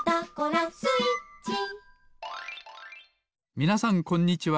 みなさんこんにちは。